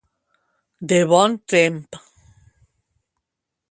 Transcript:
De bon tremp.